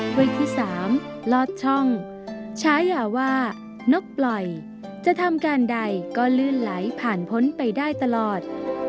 ถ้วยที่๓ลอดช่องฉายาว่านกปล่อยจะทำการใดก็ลื่นไหลผ่านพ้นไปได้ตลอด